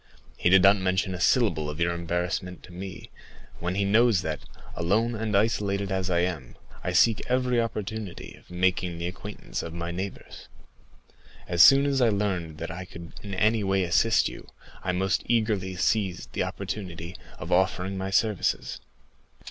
He did not mention a syllable of your embarrassment to me, when he knows that, alone and isolated as I am, I seek every opportunity of making the acquaintance of my neighbors. As soon as I learned I could in any way assist you, I most eagerly seized the opportunity of offering my services."